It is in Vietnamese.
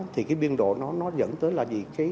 thì cái biên độ nó dẫn tới là gì